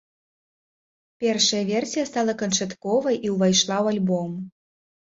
Першая версія стала канчатковай і ўвайшла ў альбом.